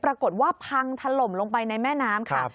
ปรากฏว่าพังถล่มลงไปในแม่น้ำค่ะ